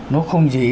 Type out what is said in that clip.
nó không dễ